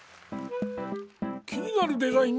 気になるデザイン